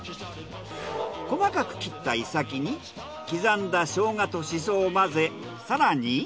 細かく切ったイサキに刻んだショウガとシソを混ぜ更に。